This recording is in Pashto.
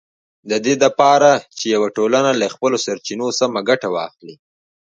د دې لپاره چې یوه ټولنه له خپلو سرچینو سمه ګټه واخلي